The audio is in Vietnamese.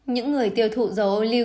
những người tiêu thụ dầu ô lưu